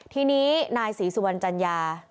ทีนี้นายศรีสุวรรณจัญญา